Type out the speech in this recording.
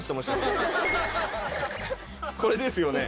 これですよね？